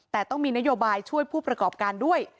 แต่ต้องมีนโยบายช่วยผู้ประกอบการด้วย